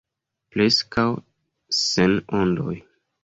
Preskaŭ sen ondoj.